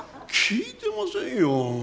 聞いてませんよ！